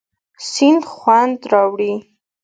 سیند خوند راوړي.